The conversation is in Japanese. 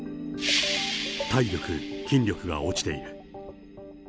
体力、筋力が落ちている。